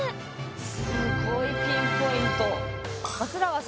すごいピンポイント。